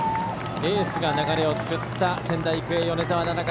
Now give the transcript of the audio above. エースが流れを作った仙台育英、米澤奈々香。